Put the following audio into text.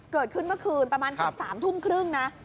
เกิดขึ้นเมื่อคืนประมาณเกือบ๓ทุ่มครึ่งนะ